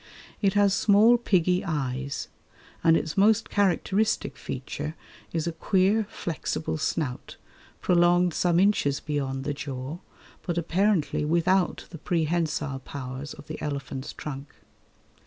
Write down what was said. It has small piggy eyes, and its most characteristic feature is a queer flexible snout prolonged some inches beyond the jaw, but apparently without the prehensile powers of the elephant's trunk.